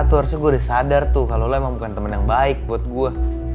tuh harusnya gue udah sadar tuh kalau lo emang bukan teman yang baik buat gue